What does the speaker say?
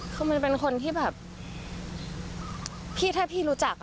คือมันเป็นคนที่แบบพี่ถ้าพี่รู้จัก